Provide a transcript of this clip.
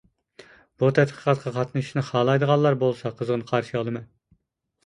بۇ تەتقىقاتقا قاتنىشىشنى خالايدىغانلار بولسا قىزغىن قارشى ئالىمەن.